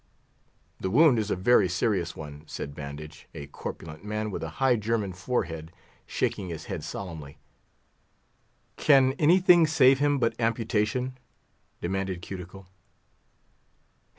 "The wound is a very serious one," said Bandage—a corpulent man, with a high German forehead—shaking his head solemnly. "Can anything save him but amputation?" demanded Cuticle.